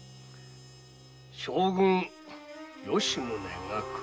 将軍吉宗が首。